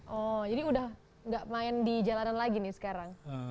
oh jadi udah gak main di jalanan lagi nih sekarang